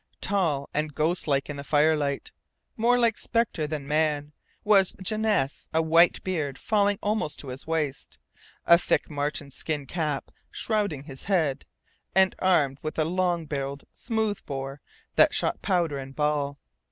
Tall and ghostlike in the firelight, more like spectre than man, was Janesse, a white beard falling almost to his waist, a thick marten skin cap shrouding his head, and armed with a long barrelled smooth bore that shot powder and ball.